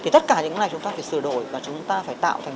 thì tất cả những cái này chúng ta phải sửa đổi và chúng ta phải tạo thành